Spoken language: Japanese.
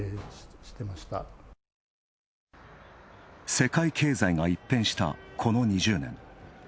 世界経済が一変した、この２０年。